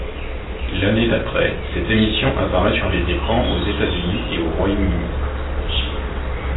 L'année d'après, cette émission apparaît sur les écrans aux États-Unis et au Royaume-Uni.